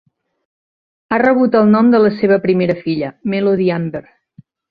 Ha rebut el nom de la seva primera filla, Melody Amber.